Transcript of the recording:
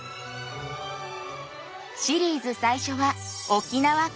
シリーズ最初は沖縄から。